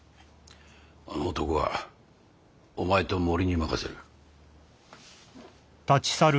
あの男はお前と森に任せる。